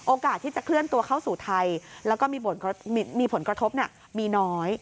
โอกาสที่จะเคลื่อนตัวเข้าสู่ไทยแล้วก็มีผลกระทบมีน้อย